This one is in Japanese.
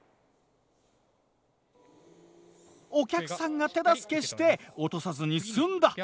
お客さんが手助けして落とさずに済んだ。